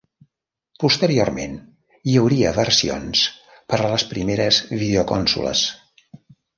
Posteriorment hi hauria versions per a les primeres videoconsoles.